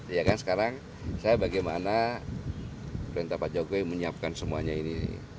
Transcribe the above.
ya kan sekarang saya bagaimana perintah pak jokowi menyiapkan semuanya ini